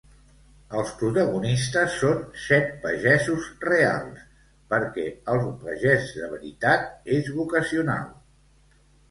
Els protagonistes són set pagesos reals, perquè el pagès de veritat és vocacional.